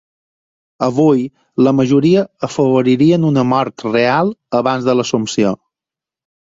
Avui la majoria afavoririen una mort real abans de l'Assumpció.